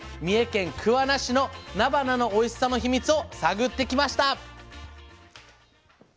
三重県桑名市のなばなのおいしさのヒミツを探ってきました。